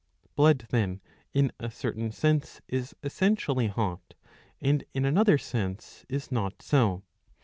Blood then in a certain sense is essentially hot, and in another sense is not so.